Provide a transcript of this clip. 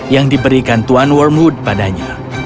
yang diberikan tuan wormud padanya